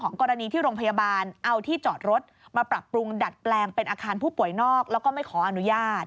กรณีที่โรงพยาบาลเอาที่จอดรถมาปรับปรุงดัดแปลงเป็นอาคารผู้ป่วยนอกแล้วก็ไม่ขออนุญาต